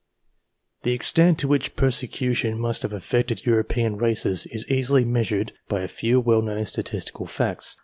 The extent to which persecution must have affected European races is easily measured by a few well known statistical facts.